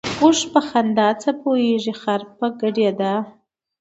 ـ اوښ په خندا څه پوهېږي ، خر په ګډېدا.